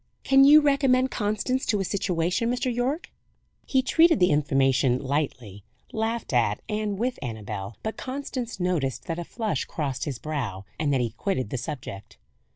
"Can you recommend Constance to a situation, Mr. Yorke?" He treated the information lightly; laughed at and with Annabel; but Constance noticed that a flush crossed his brow, and that he quitted the subject.